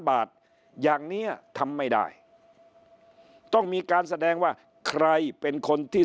บาทอย่างนี้ทำไม่ได้ต้องมีการแสดงว่าใครเป็นคนที่